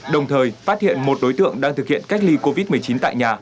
đồng thời phát hiện một đối tượng đang thực hiện cách ly covid một mươi chín tại nhà